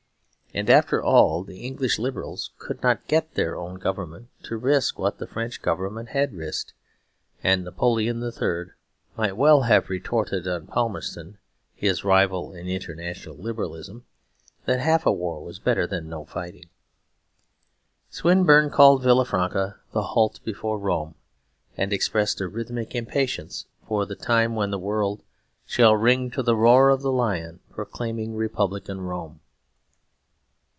And after all the English Liberals could not get their own Government to risk what the French Government had risked; and Napoleon III. might well have retorted on Palmerston, his rival in international Liberalism, that half a war was better than no fighting. Swinburne called Villafranca "The Halt before Rome," and expressed a rhythmic impatience for the time when the world "Shall ring to the roar of the lion Proclaiming Republican Rome."